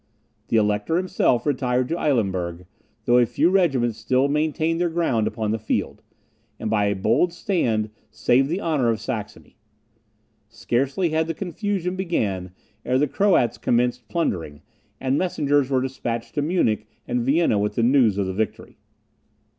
The Elector himself retired to Eilenburg, though a few regiments still maintained their ground upon the field, and by a bold stand saved the honour of Saxony. Scarcely had the confusion began ere the Croats commenced plundering, and messengers were despatched to Munich and Vienna with the news of the victory.